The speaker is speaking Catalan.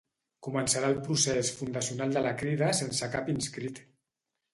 Començarà el procés fundacional de la Crida sense cap inscrit